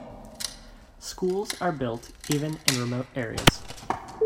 Schools are built even in remote areas.